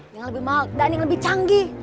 yang lebih mahal dan yang lebih canggih